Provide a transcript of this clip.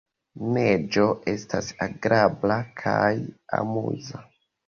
Neĝo estas agrabla kaj amuza.